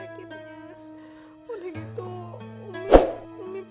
udah gitu umi pergi mba